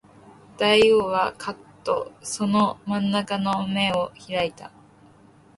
大王はかっとその真ん丸の眼を開いた